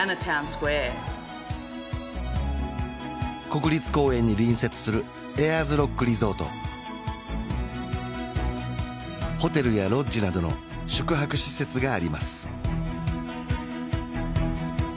国立公園に隣接するエアーズロックリゾートホテルやロッジなどの宿泊施設があります